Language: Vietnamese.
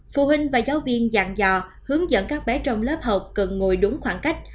phụ huynh và giáo viên dạng dò hướng dẫn các bé trong lớp học cần ngồi đúng khoảng cách